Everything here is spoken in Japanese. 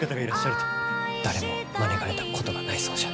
誰も招かれたことがないそうじゃ。